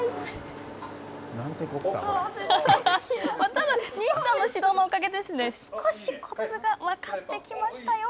ただ、西さんの指導のおかげで少し、こつが分かってきましたよ。